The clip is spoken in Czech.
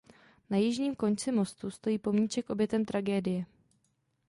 Na jižním konci mostu stojí pomníček obětem tragédie.